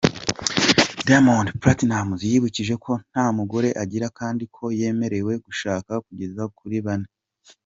Diamond Platnumz yibukije ko nta mugore agira kandi ko yemerewe gushaka kugeza kuri bane.